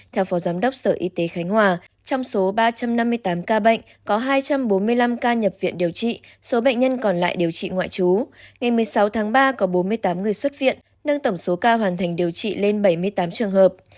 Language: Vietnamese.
theo phó giám đốc sở y tế khánh hòa trong số ba trăm năm mươi tám ca bệnh có hai trăm bốn mươi năm ca nhập viện điều trị số bệnh nhân còn lại điều trị ngoại trú ngày một mươi sáu tháng ba có bốn mươi tám người xuất viện nâng tổng số ca hoàn thành điều trị lên bảy mươi tám trường hợp